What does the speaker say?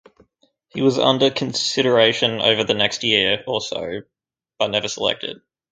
He was under consideration over the next year or so but never selected.